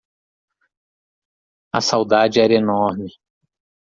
A saudade era enorme